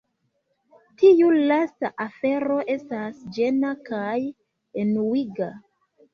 Tiu lasta afero estas ĝena kaj enuiga.